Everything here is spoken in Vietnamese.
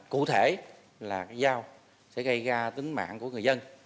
cụ thể là cái dao sẽ gây ra tính mạng của người dân